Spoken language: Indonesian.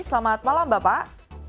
selamat malam bapak